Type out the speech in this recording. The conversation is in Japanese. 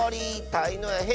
たいのやへ